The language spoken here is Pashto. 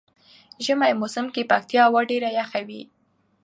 ژمی موسم کې پکتيا هوا ډیره یخه وی.